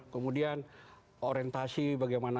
kemudian orientasi bagaimana